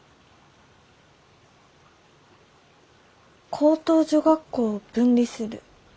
「高等女学校を分離する」。